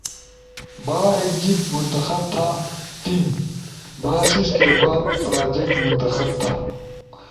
با ایک جیِب منتخب تھے۔ ٹیم۔ با سیسی کے بعد پراجیکٹ منتخب تھا